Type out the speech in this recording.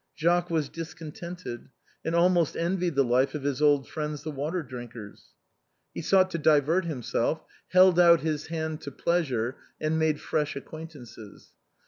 Jacques was discontented, and almost envied the life of his old friends, the Water drinkers. He sought to divert himself, held out his hand to plea sure, and made fresh acquaintances.